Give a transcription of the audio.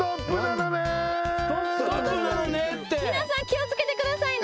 皆さん気を付けてくださいね。